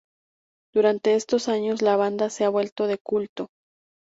Durante estos años la banda se ha vuelto de culto.